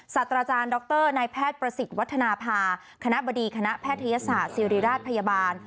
ศาสตราจารย์ดรนายแพทย์ประสิทธิ์วัฒนภาคณะบดีคณะแพทยศาสตร์ศิริราชพยาบาล